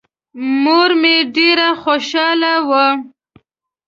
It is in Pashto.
مور مې ډېره خوشحاله وه.